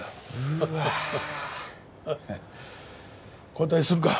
交代するか。